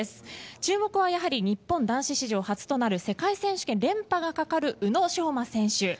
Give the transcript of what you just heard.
注目はやはり日本男子史上初となる世界選手権連覇がかかる宇野昌磨選手